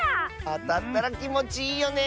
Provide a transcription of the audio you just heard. あたったらきもちいいよね！